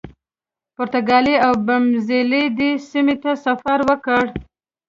پرتګالي اوبمزلي دې سیمې ته سفر وکړ.